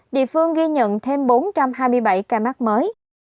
địa phương ghi nhận thêm bốn trăm hai mươi bảy ca mắc mới